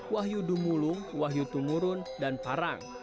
wahyu dumulung wahyu tungurun dan parang